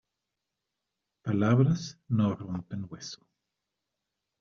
Palabras no rompen hueso.